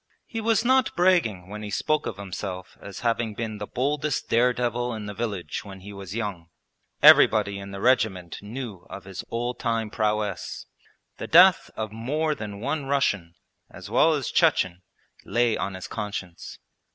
He was not bragging when he spoke of himself as having been the boldest dare devil in the village when he was young. Everybody in the regiment knew of his old time prowess. The death of more than one Russian, as well as Chechen, lay on his conscience.